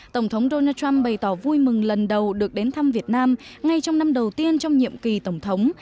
tổng thống donald trump bày tỏ vui mừng lần đầu được đến thăm việt nam ngay trong năm đầu tiên trong nhiệm kỳ tổng thống